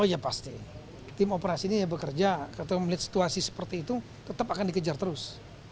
oh ya pasti tim operasi ini bekerja ketika melihat situasi seperti itu tetap akan dikejar terus